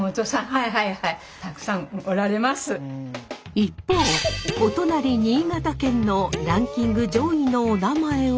一方お隣新潟県のランキング上位のおなまえは？